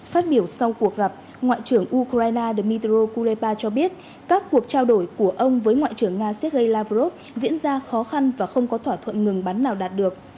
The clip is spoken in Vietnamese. phát biểu sau cuộc gặp ngoại trưởng ukraine dmitr kureba cho biết các cuộc trao đổi của ông với ngoại trưởng nga sergei lavrov diễn ra khó khăn và không có thỏa thuận ngừng bắn nào đạt được